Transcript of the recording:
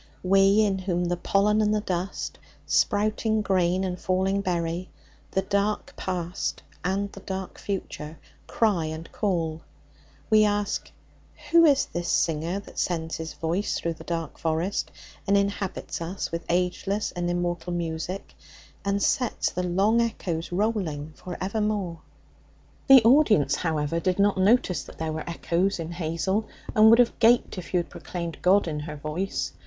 We, in whom the pollen and the dust, sprouting grain and falling berry, the dark past and the dark future, cry and call we ask, Who is this Singer that sends his voice through the dark forest, and inhabits us with ageless and immortal music, and sets the long echoes rolling for evermore? The audience, however, did not notice that there were echoes in Hazel, and would have gaped if you had proclaimed God in her voice.